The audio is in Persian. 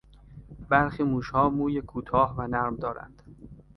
برخی موشها موی کوتاه و نرم دارند.